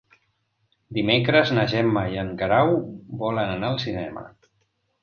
Dimecres na Gemma i en Guerau volen anar al cinema.